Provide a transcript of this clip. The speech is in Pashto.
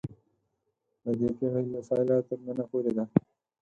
د دې پېړۍ له پیله تر ننه پورې ده.